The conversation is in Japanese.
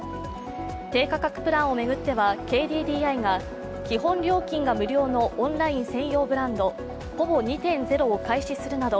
低価格プランを巡ってはＫＤＤＩが基本料金が無料のオンライン専用ブランドｐｏｖｏ２．０を開始するなど